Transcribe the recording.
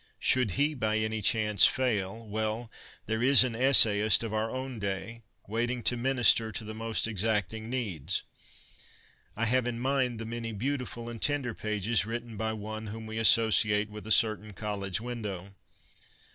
Should he by any chance fail — well, there is an essayist of our own day, waiting to minister to the most exact ing needs. I have in mind the many beautiful and tender pages written by one whom we associate with a certain college window.